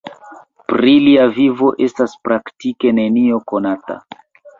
Pri lia vivo estas praktike nenio konata.